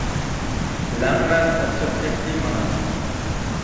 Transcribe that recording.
لەڭمەن ئوخشاپ كەتتى مانا.